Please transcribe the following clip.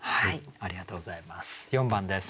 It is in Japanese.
ありがとうございます。